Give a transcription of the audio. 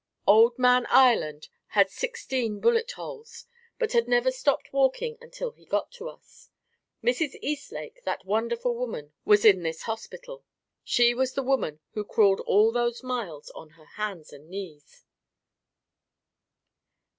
Old man Ireland had sixteen bullet holes, but had never stopped walking until he got to us. Mrs. Eastlake, that wonderful woman, was in this hospital. She was the woman who crawled all those miles on her hands and knees.